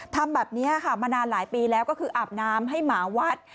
ทำแบบนี้ค่ะมานานหลายปีแล้วก็คืออาบน้ำให้หมาวัด